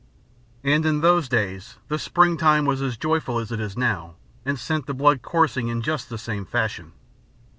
And in those days the spring time was as joyful as it is now, and sent the blood coursing in just the same fashion.